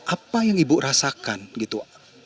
apa yang ibu rasakan gitu